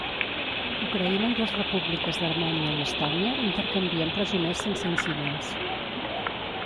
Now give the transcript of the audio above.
Ucraïna i les repúbliques d'Armènia i Estònia intercanvien presoners sense incidents.